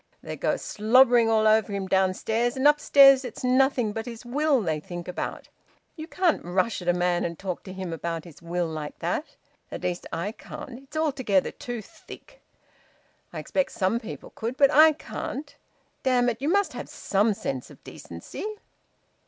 They go slobbering all over him downstairs, and upstairs it's nothing but his will they think about... You can't rush at a man and talk to him about his will like that. At least, I can't it's altogether too thick! I expect some people could. But I can't. Damn it, you must have some sense of decency!"